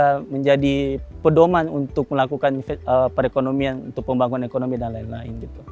bisa menjadi pedoman untuk melakukan perekonomian untuk pembangunan ekonomi dan lain lain gitu